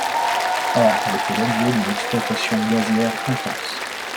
Or elle fait l'objet d'une exploitation gazière intense.